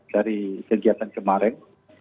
dari kegiatan kemarin